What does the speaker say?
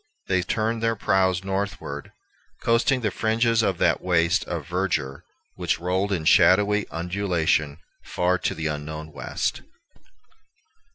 They turned their prows northward, coasting the fringes of that waste of verdure which rolled in shadowy undulation far to the unknown West.